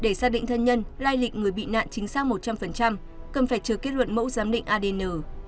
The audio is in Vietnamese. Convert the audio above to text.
để xác định thân nhân lai lịch người bị nạn chính xác một trăm linh cần phải chờ kết luận mẫu giám định adn